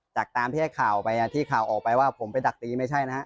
ตามที่ให้ข่าวไปที่ข่าวออกไปว่าผมไปดักตีไม่ใช่นะฮะ